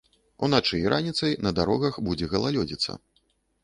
Уначы і раніцай на дарогах будзе галалёдзіца.